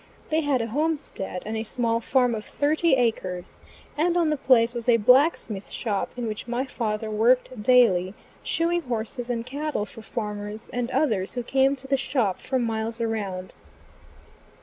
They had a homestead and a small farm of thirty acres, and on the place was a blacksmith shop in which my father worked daily, shoeing horses and cattle for farmers and others who came to the shop from miles around.